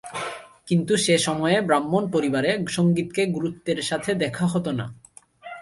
কিন্তু সে সময়ে ব্রাহ্মণ পরিবারে সঙ্গীতকে গুরুত্বের সাথে দেখা হত না।